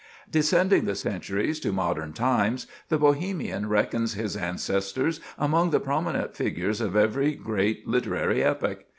Descending the centuries to modern times, the Bohemian reckons his ancestors among the prominent figures of every great literary epoch.